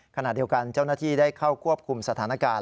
ขณะเดียวกันเจ้าหน้าที่ได้เข้าควบคุมสถานการณ์